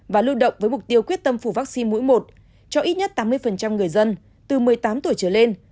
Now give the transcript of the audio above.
và lưu động với mục tiêu quyết tâm phủ vaccine mũi một cho ít nhất tám mươi người dân từ một mươi tám tuổi trở lên